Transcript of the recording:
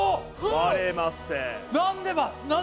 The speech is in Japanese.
割れません。